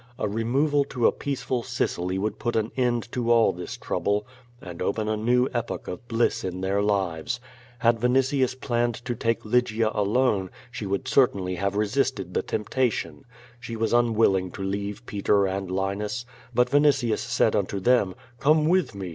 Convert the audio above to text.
A removal to peaceful Sicily would put an end to all this trouble and open a new epoch of bliss in their lives. Had Vinitius planned to take 350 Q^O VADI8, Lygia alone^ she would certainly have resisted the tempta tion. She was unwilling to leave Peter and Linus. But Vinitius said unto them: "Come with me!